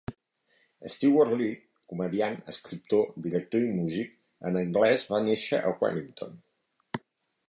Stewart Lee, comediant, escriptor, director i músic en anglès, va néixer a Wellington.